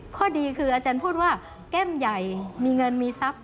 ข้อดีคืออาจารย์พูดว่าแก้มใหญ่มีเงินมีทรัพย์